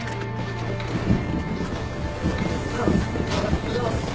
おはようございます。